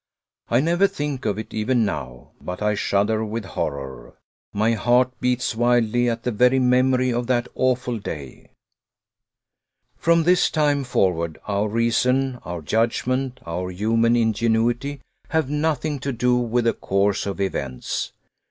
I never think of it even now, but I shudder with horror. My heart beats wildly at the very memory of that awful day. From this time forward, our reason, our judgment, our human ingenuity, have nothing to do with the course of events.